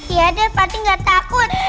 iya deh pati gak takut